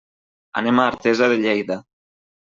Anem a Artesa de Lleida.